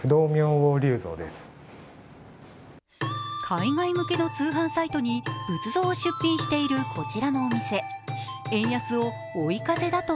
海外向けの通販サイトに仏像を出品しているこちらのサイト。